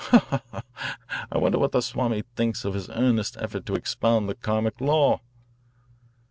"Ha, ha! I wonder what the Swami thinks of his earnest effort to expound the Karmic law."